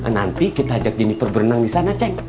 nanti kita ajak jeniper berenang disana ceng